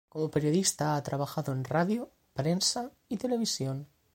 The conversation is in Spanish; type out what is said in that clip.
Como periodista ha trabajado en radio, prensa y televisión.